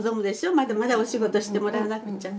まだまだお仕事してもらわなくちゃって。